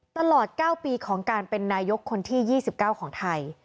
ตลอด๙ปีของการเป็นนายกคนที่๒๙ของไทย